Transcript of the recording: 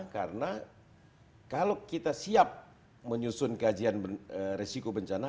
karena kalau kita siap menyusun kajian resiko bencana